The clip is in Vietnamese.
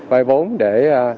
vai vốn để